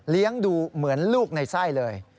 ดูเหมือนลูกในไส้เลย